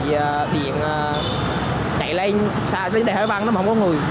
thì điện chạy lên đèo hải văn mà không có người